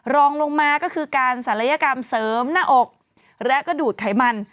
รองลงมาก็คือการศัลยกรรมเสริมหน้าอกและก็ดูดไขมัน